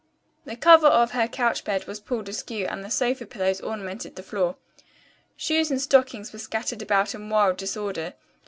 The cover of her couch bed was pulled askew and the sofa pillows ornamented the floor. Shoes and stockings were scattered about in wild disorder.